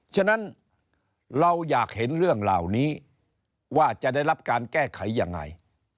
ฉะนั้นเราอยากเห็นเรื่องเหล่านี้ว่าจะได้รับการแก้ไขยังไง